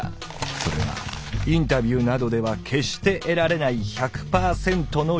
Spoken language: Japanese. それはインタビューなどでは決して得られない１００％の「リアル」！